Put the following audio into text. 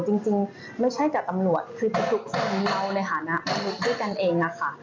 จริงไม่ใช่กับตำรวจคือทุกคนเราในฐานะด้วยกันเองนะคะ